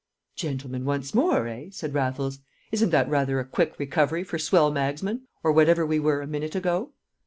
"Gentlemen once more, eh?" said Raffles. "Isn't that rather a quick recovery for swell magsmen, or whatever we were a minute ago?"